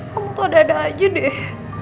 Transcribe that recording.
kamu tau dada aja deh